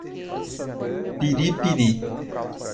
Piripiri